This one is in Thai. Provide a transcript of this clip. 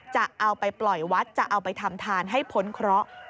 จะเอาไปปล่อยวัดจะเอาไปทำทานให้พ้นเคราะห์